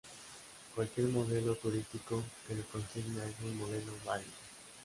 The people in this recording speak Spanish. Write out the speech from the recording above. Cualquier modelo turístico que lo consiga es un modelo válido.